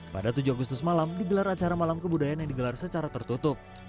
pada tujuh agustus malam digelar acara malam kebudayaan yang digelar secara tertutup